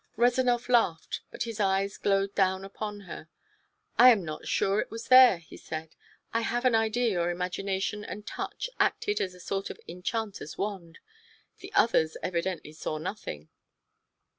Rezanov laughed, but his eyes glowed down upon her. "I am not sure it was there," he said. "I have an idea your imagination and touch acted as a sort of enchanter's wand. The others evidently saw nothing."